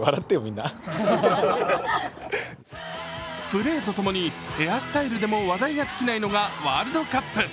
プレーと共にヘアスタイルでも話題が尽きないのがワールドカップ。